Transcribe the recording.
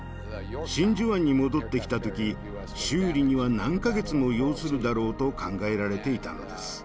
真珠湾に戻ってきた時修理には何か月も要するだろうと考えられていたのです。